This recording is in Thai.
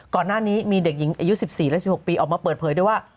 ก่อนหน้านี้มีเด็กหญิงอายุ๑๔และ๑๖ปีออกมาเปิดเผยด้วยว่า